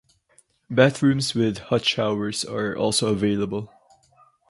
Bathrooms with hot showers are also available.